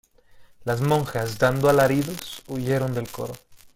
las monjas, dando alaridos , huyeron del coro.